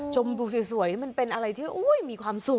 ชมดูสวยมันเป็นอะไรที่มีความสุข